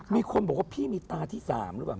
มีคนบอกว่าพี่มีตาที่๓หรือเปล่า